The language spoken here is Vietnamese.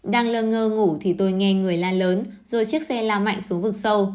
đang lơ ngủ thì tôi nghe người la lớn rồi chiếc xe la mạnh xuống vực sâu